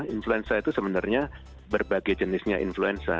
influenza itu sebenarnya berbagai jenisnya influenza